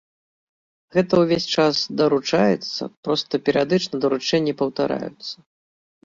Гэта ўвесь час даручаецца, проста перыядычна даручэнні паўтараюцца.